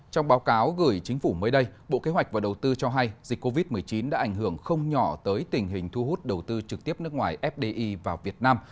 trong báo cáo gửi chính phủ mới đây bộ kế hoạch và đầu tư cho hay dịch covid một mươi chín đã ảnh hưởng không nhỏ tới tình hình thu hút đầu tư trực tiếp nước ngoài fdi vào việt nam